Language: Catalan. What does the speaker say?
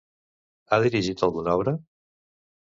Ha dirigit alguna obra?